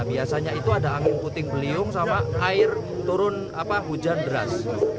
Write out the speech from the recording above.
biasanya itu ada angin puting beliung sama air turun hujan deras